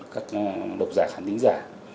các độc giả khán tính giả